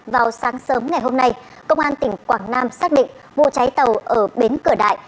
vào sáng sớm ngày hôm nay công an tỉnh quảng nam xác định vụ cháy tàu ở bến cửa đại